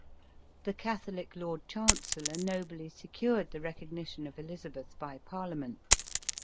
The Catholic lord chancellor «obly secured the recognition of Elizabeth by parliament.